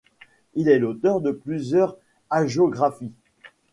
Il est l'auteur de plusieurs hagiographies.